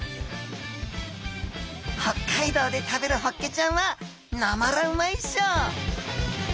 北海道で食べるホッケちゃんはなまらうまいっしょ。